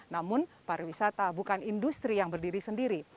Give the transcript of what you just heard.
namun pariwisata bukan industri yang berdiri sendiri